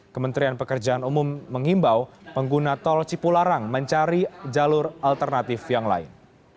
kementerian pekerjaan umum mengimbau pengguna tol cipularang mencari jalur alternatif yang lain